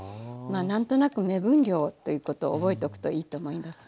何となく目分量ということを覚えとくといいと思います。